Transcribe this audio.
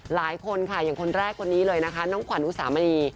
หลายคนค่ะอย่างคนแรกคนนี้เลยนะคะน้องขวัญอุสามณี